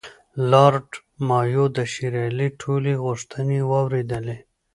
لارډ مایو د شېر علي ټولې غوښتنې واورېدلې.